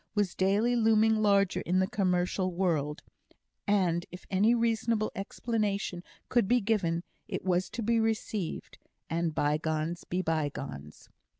was daily looming larger in the commercial world, and if any reasonable explanation could be given it was to be received, and bygones be bygones.